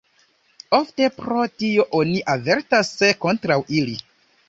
Ofte pro tio oni avertas kontraŭ ili.